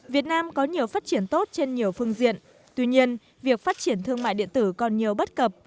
việt nam có nhiều phát triển tốt trên nhiều phương diện tuy nhiên việc phát triển thương mại điện tử còn nhiều bất cập